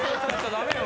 ダメよ。